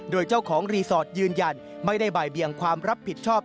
โดยเจ้าของรีสอร์ทยืนยันไม่ได้บ่ายเบียงความรับผิดชอบ